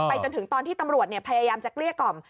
จนถึงตอนที่ตำรวจพยายามจะเกลี้ยกล่อม